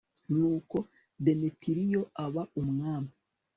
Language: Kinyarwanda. nuko demetiriyo aba umwami